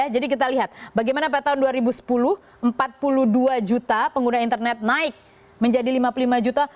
jadi kita lihat bagaimana pada tahun dua ribu sepuluh empat puluh dua juta pengguna internet naik menjadi lima puluh lima juta